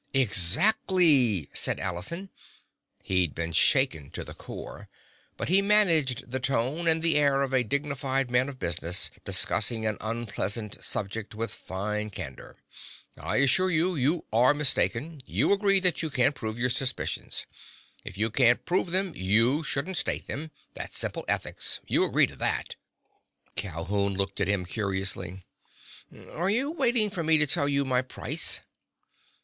"Exactly!" said Allison. He'd been shaken to the core, but he managed the tone and the air of a dignified man of business discussing an unpleasant subject with fine candor. "I assure you you are mistaken. You agree that you can't prove your suspicions. If you can't prove them, you shouldn't state them. That is simple ethics. You agree to that!" Calhoun looked at him curiously. "Are you waiting for me to tell you my price?"